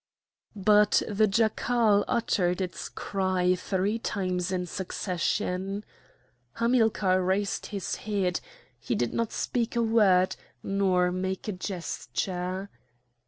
But the jackal uttered its cry three times in succession. Hamilcar raised his head; he did not speak a word nor make a gesture.